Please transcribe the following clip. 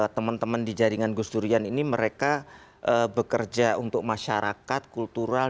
teman teman di jaringan gus durian ini mereka bekerja untuk masyarakat kultural